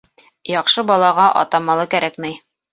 Яҡшы балаға ата малы кәрәкмәй